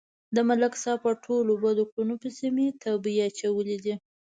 د ملک صاحب په ټولو بدو کړنو پسې مې تمبې اچولې دي